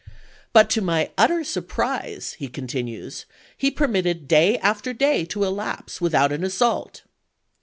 " But to my utter surprise," he continues, " he permitted day after day to elapse without an assault."